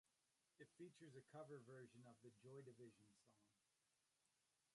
It features a cover version of the Joy Division song.